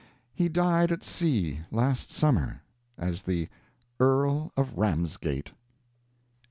He died at sea, last summer, as the "Earl of Ramsgate."